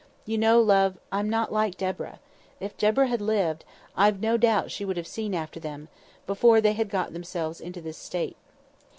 You know, love, I'm not like Deborah. If Deborah had lived, I've no doubt she would have seen after them, before they had got themselves into this state."